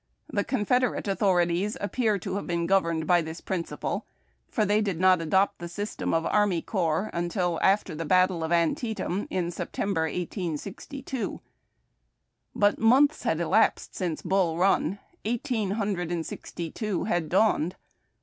The Confederate authorities appear to have been governed by this principle, for they did not adopt the sys tem of army corps until after the battle of Antietam, in September, 1862. But months had elapsed since Bull Run. Eighteen hundred and sixty two had dawned.